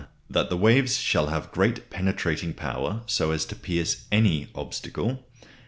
That the waves shall have great penetrating power, so as to pierce any obstacle.